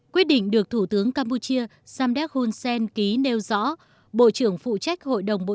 quyết định được thủ tướng campuchia samdek hun sen ký nêu rõ bộ trưởng phụ trách hội đồng bộ